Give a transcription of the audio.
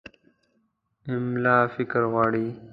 املا فکر غواړي.